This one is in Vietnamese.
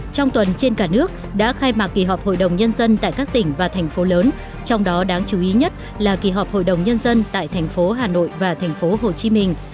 trong tuần trên cả nước đã khai mạc kỳ họp hội đồng nhân dân tại các tỉnh và thành phố lớn trong đó đáng chú ý nhất là kỳ họp hội đồng nhân dân tại thành phố hà nội và thành phố hồ chí minh